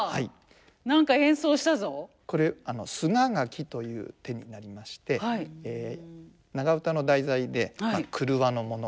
これ「すががき」という手になりまして長唄の題材で廓のもの